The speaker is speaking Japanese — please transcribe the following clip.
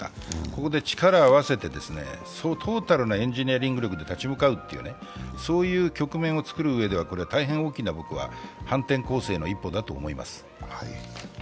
ここで力を合わせてトータルなエンジニアリング力で立ち向かうという局面をつくるうえでは大変大きな反転攻勢の一歩だと思います。